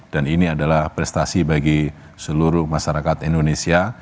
dan ini adalah prestasi bagi seluruh masyarakat indonesia